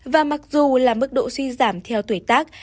và mặc dù là mức độ suy giảm theo tuổi tác